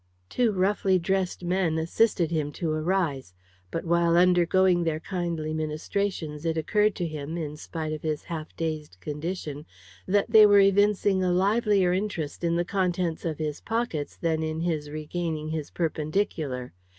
Two roughly dressed men assisted him to rise. But, while undergoing their kindly ministrations, it occurred to him, in spite of his half dazed condition, that they were evincing a livelier interest in the contents of his pockets than in his regaining his perpendicular.